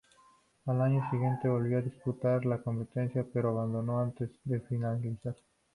Al año siguiente volvió a disputar la competencia, pero abandonó antes de finalizar.